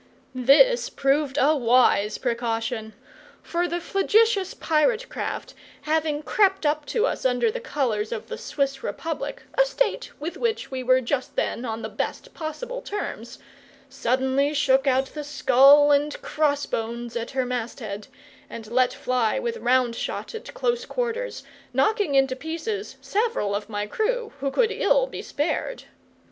This proved a wise precaution. For the flagitious pirate craft, having crept up to us under the colours of the Swiss Republic, a state with which we were just then on the best possible terms, suddenly shook out the skull and cross bones at her masthead, and let fly with round shot at close quarters, knocking into pieces several of my crew, who could ill be spared.